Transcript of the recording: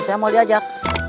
saya mau diajak